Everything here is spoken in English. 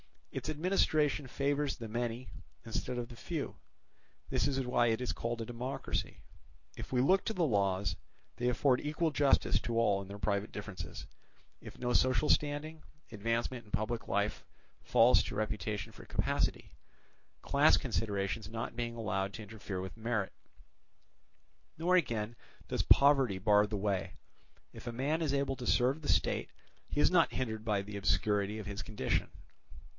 Its administration favours the many instead of the few; this is why it is called a democracy. If we look to the laws, they afford equal justice to all in their private differences; if no social standing, advancement in public life falls to reputation for capacity, class considerations not being allowed to interfere with merit; nor again does poverty bar the way, if a man is able to serve the state, he is not hindered by the obscurity of his condition.